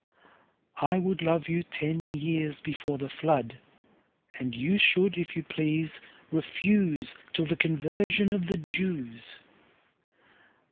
I wouldLove you ten years before the Flood:And you should if you please refuseTill the Conversion of the Jews.